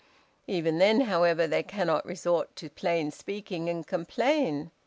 Even then, however, they cannot resort to plain speaking, and complain.